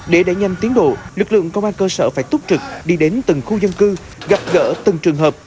để đẩy nhanh tiến độ lực lượng công an cơ sở phải túc trực đi đến từng khu dân cư gặp gỡ từng trường hợp